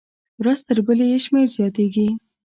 ورځ تر بلې یې شمېر زیاتېږي.